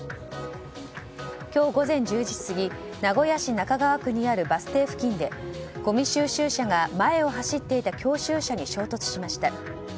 今日午前１０時過ぎ名古屋市中川区にあるバス停付近でごみ収集車が前を走っていた教習車に衝突しました。